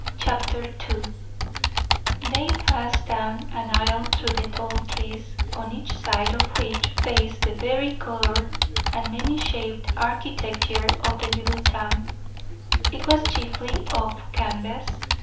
CHAPTER II They passed down an aisle through the tall trees, on each side of which faced the vari coloured and many shaped architecture of the little town. It was chiefly of canvas.